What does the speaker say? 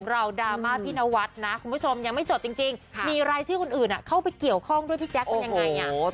เราดราม่าพี่นวัดนะคุณผู้ชมยังไม่จบจริงมีรายชื่อคนอื่นเข้าไปเกี่ยวข้องด้วยพี่แจ๊คเป็นยังไง